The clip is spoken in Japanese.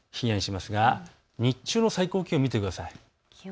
日中の最高気温を見てください。